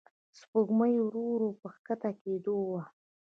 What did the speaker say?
سپوږمۍ ورو ورو په کښته کېدو وه.